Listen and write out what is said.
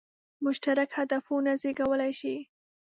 مشترک هدفونه زېږولای شي.